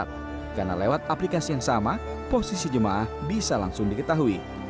perlu takut tersesat karena lewat aplikasi yang sama posisi jemaah bisa langsung diketahui